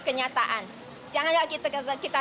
kenyataan janganlah kita